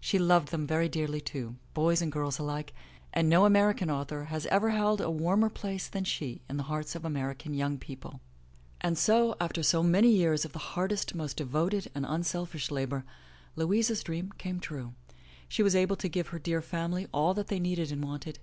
She loved them very dearly, too, boys and girls alike, and no American author has ever held a warmer place than she in the hearts of American young people. And so, after so many years of the hardest, most devoted and unselfish labor, Louisa's dream came true. She was able to give her dear family all that they needed and wanted.